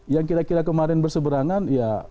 yang kira kira kemarin berseberangan ya